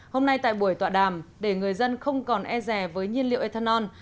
hôm nay tại buổi tọa đàm để người dân không còn e rè với nhiên liệu ethanol